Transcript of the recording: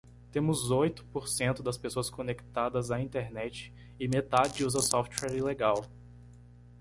Temos oito por cento das pessoas conectadas à Internet e metade usa software ilegal.